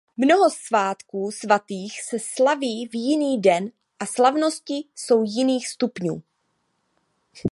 Mnoho svátků svatých se slaví v jiný den a slavnosti jsou jiných stupňů.